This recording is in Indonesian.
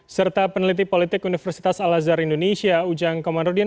serta peneliti politik universitas al azhar indonesia ujang komandodin